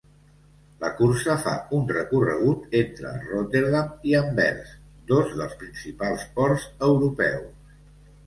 La cursa fa un recorregut entre Rotterdam i Anvers, dos dels principals ports europeus.